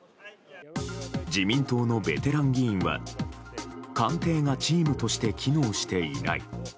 自民党のベテラン議員は官邸がチームとして機能していない。